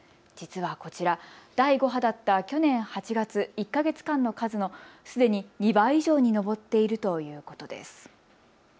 実はこちら、第５波だった去年８月１か月間の数のすでに２倍以上に上っているということです。